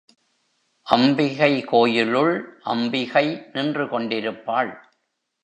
அம்பிகை கோயிலுள் அம்பிகை நின்று கொண்டிருப்பாள்.